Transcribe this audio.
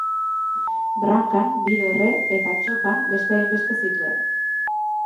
Brankan bi dorre eta txopan beste hainbeste zituen.